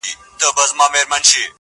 دا ټولنه به نو څنکه اصلاح کيږي.